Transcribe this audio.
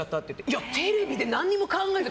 いや、テレビで何も考えず。